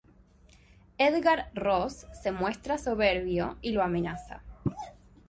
Edgar Ross se muestra soberbio y lo amenaza.